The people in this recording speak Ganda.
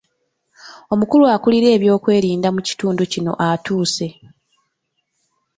Omukulu akulira eby'okwerinda mu kitundu kino atuuse.